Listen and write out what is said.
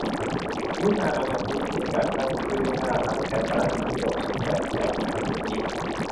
นิ้วนาง อันนี้เป็นการตั้งชื่อได้น่ารัก แถมฝรั่งก็นิยมสวมแหวนแต่งงานนิ้วนี้